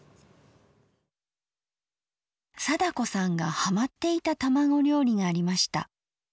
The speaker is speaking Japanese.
貞子さんがはまっていた卵料理がありました。